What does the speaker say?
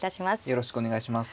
よろしくお願いします。